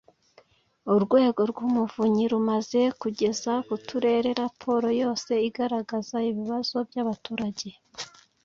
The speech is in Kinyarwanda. urwego rw umuvunyi rumaze kugeza ku turere raporo yose igaragaza ibibazo byabaturage